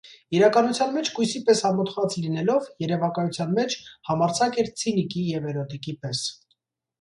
Իրականության մեջ կույսի պես ամոթխած լինելով, երևակայության մեջ համարձակ էր ցինիկի և էրոտիկի պես…